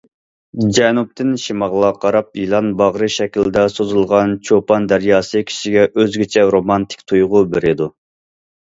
جەنۇبتىن شىمالغا قاراپ يىلان باغرى شەكلىدە سوزۇلغان چوپان دەرياسى كىشىگە ئۆزگىچە رومانتىك تۇيغۇ بېرىدۇ.